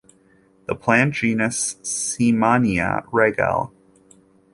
The plant genus "Seemannia" Regel.